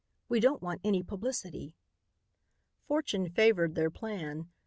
"We don't want any publicity." Fortune favored their plan.